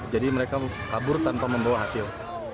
jadi mereka kabur tanpa membawa hasil